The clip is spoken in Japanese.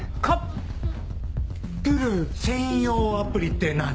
プル専用アプリって何？